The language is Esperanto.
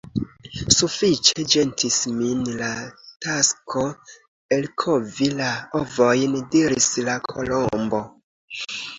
"Sufiĉe ĝenis min la tasko elkovi la ovojn," diris la Kolombo. "